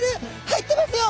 入ってますよ。